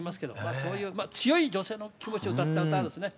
あそういう強い女性の気持ちを歌った歌ですね。